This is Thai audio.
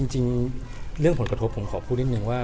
จริงเรื่องผลกระทบผมขอพูดนิดนึงว่า